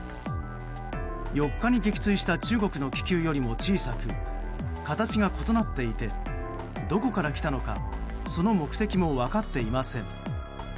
４日に撃墜した中国の気球よりも小さく形が異なっていてどこから来たのかその目的も分かっていません。